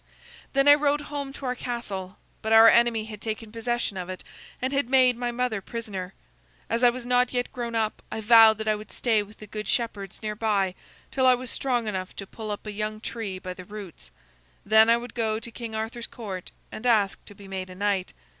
"Then I rode home to our castle, but our enemy had taken possession of it, and had made my mother prisoner. As I was not yet grown up I vowed that I would stay with the good shepherds near by till I was strong enough to pull up a young tree by the roots. Then I would go to King Arthur's Court and ask to be made a knight.